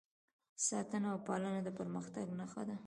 ساتنه او پالنه د پرمختګ نښه ده.